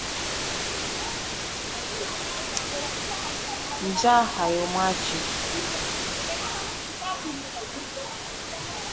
Njaa haimwachi